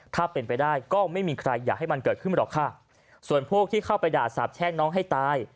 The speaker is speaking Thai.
ถ้าเป็นไปได้ก็ไม่มีใครอยากให้มันเกิดขึ้นหรอกค่ะส่วนพวกที่เข้าไปด่าสาบแช่งน้องให้ตาย